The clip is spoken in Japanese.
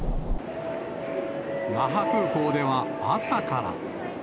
那覇空港では朝から。